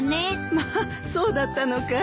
まあそうだったのかい。